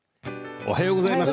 おはようございます。